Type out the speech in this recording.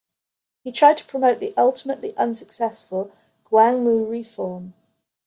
He tried to promote the ultimately unsuccessful Gwangmu Reform.